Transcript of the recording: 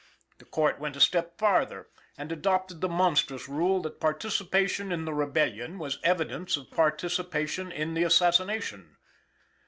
The Court went a step farther, and adopted the monstrous rule that participation in the Rebellion was evidence of participation in the assassination!